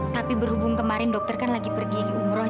tapi berhubung kemarin dokter kan lagi pergi umroh